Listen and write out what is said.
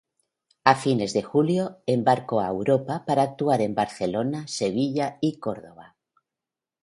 A fines de julio, embarcó a Europa para actuar en Barcelona, Sevilla y Córdoba.